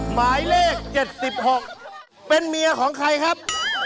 หมายเลข๗๖เป็นเมียของใครครับ